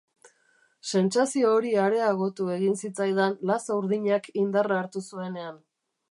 Sentsazio hori areagotu egin zitzaidan lazo urdinak indarra hartu zuenean.